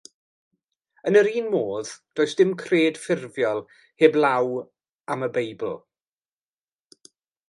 Yn yr un modd, does dim cred furfiol arall heblaw am y Beibl.